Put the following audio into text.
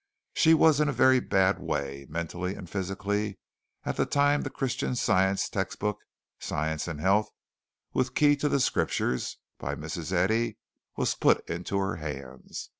She was in a very bad way mentally and physically at the time the Christian Science textbook, "Science and Health, with Key to the Scriptures," by Mrs. Eddy, was put into her hands.